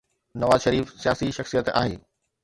نواز شريف سياسي شخصيت آهي.